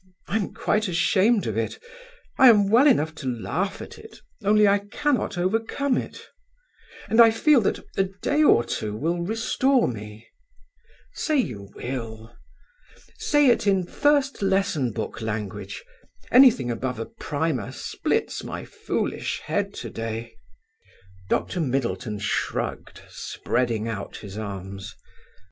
I am quite ashamed of it; I am well enough to laugh at it, only I cannot overcome it; and I feel that a day or two will restore me. Say you will. Say it in First Lesson Book language; anything above a primer splits my foolish head to day." Dr Middleton shrugged, spreading out his arms.